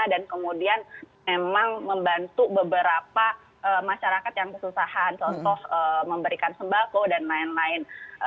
dan kemudian memang membantu beberapa masyarakat yang kesusahan contoh memberikan sembako dan lain lain